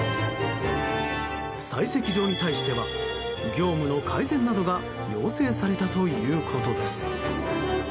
採石場に対しては業務の改善などが要請されたということです。